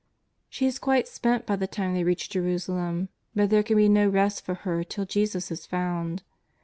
She is quite spent by the time they reach Jerusalem. But there can be no rest for her till Jesus is found.